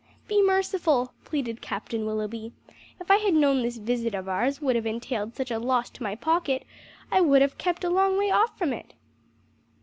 "Be merciful," pleaded Captain Willoughby. "If I had known this visit of ours would have entailed such a loss to my pocket, I would have kept a long way off from it!"